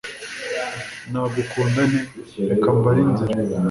nagukunda nte? reka mbare inzira